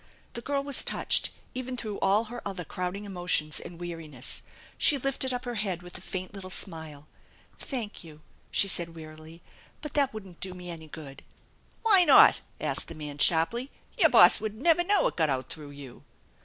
The girl was touched even through all her other crowding emotions and weariness. She lifted up ner head with a faint little smile. " Thank you," she said, wearily, " but that wouldn't do me any good." " Why not ?" asked the man sharply. " Your boss would never know it got out through you."